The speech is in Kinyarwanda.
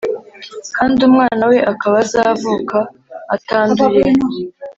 kandi umwana we akaba azavuka atanduye.